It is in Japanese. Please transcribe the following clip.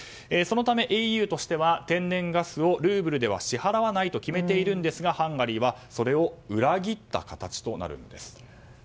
そのため、ＥＵとしては天然ガスをルーブルでは支払わないと決めているんですがハンガリーはそれを裏切った形となるんです。